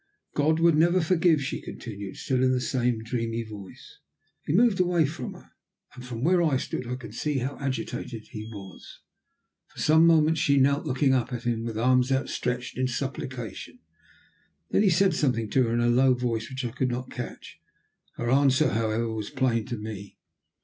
"God would never forgive," she continued, still in the same dreamy voice. He moved away from her, and from where I stood I could see how agitated he was. For some moments she knelt, looking up at him, with arms outstretched in supplication; then he said something to her in a low voice, which I could not catch. Her answer, however, was plain to me.